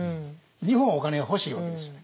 日本はお金が欲しいわけですよね。